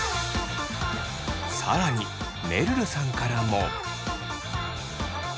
更にめるるさんからも。